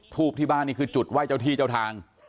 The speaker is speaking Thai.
ทูบที่บ้านนี่คือจุดไหว้เจ้าที่เจ้าทาง